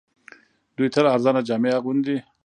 دوی تل ارزانه جامې اغوندي